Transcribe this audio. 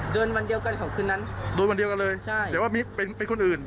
เดินวันเดียวกันเลยเดี๋ยวว่าเป็นคนอื่น